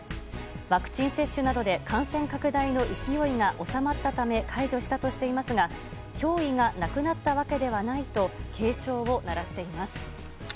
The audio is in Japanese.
ワクチン接種などで感染拡大の勢いが収まったため解除したとしていますが脅威がなくなったわけではないと警鐘を鳴らしています。